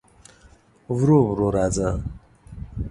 ورو ورو راځه